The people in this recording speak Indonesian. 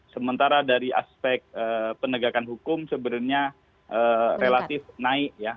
sementara dari aspek penegakan hukum sebenarnya relatif naik ya